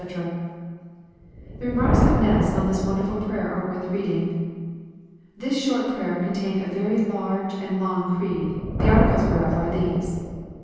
] The remarks of Ness on this won deriul prayer are worth reading " This short prayer contained a ▼ery large and long creed, the articles whereof are these.